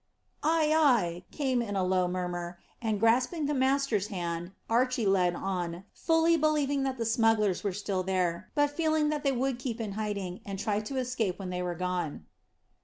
"Ay, ay," came in a low murmur; and, grasping the master's hand, Archy led on, fully believing that the smugglers were still there, but feeling that they would keep in hiding, and try to escape when they were gone.